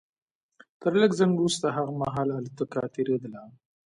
تر لږ ځنډ وروسته هغه مهال الوتکه تېرېدله